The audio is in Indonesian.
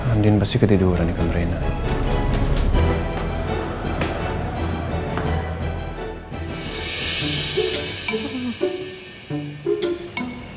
andien pasti ketiduran nih kemarenah